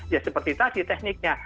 ya seperti tadi tekniknya